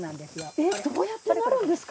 えっどうやってなるんですか？